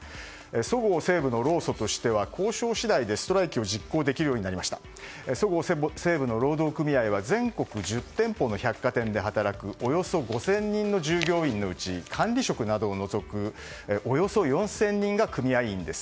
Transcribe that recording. そごう・西武の労組としては交渉次第でストライキを実施できるようになりそごう・西武の労働組合は全国１０店舗の百貨店で働くおよそ５０００人の従業員のうち管理職を除くおよそ４０００人が組合員です。